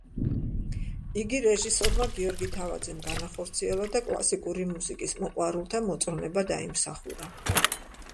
იგი რეჟისორმა გიორგი თავაძემ განახორციელა და კლასიკური მუსიკის მოყვარულთა მოწონება დაიმსახურა.